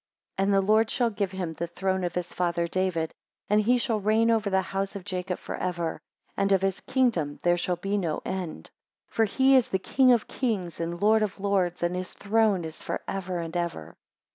13 And the Lord shall give him the throne of his father David, and he shall reign over the house of Jacob for ever, and of his kingdom there shall be no end. 14 For he is the King of Kings, and Lord of Lords, and his throne is forever and ever.